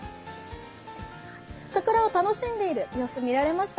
桜を楽しんでいる様子、見られました。